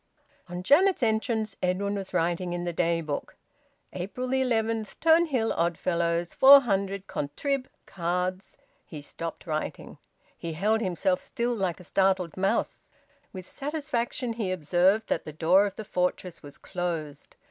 On Janet's entrance, Edwin was writing in the daybook: "April 11th. Turnhill Oddfellows. 400 Contrib. Cards " He stopped writing. He held himself still like a startled mouse. With satisfaction he observed that the door of the fortress was closed.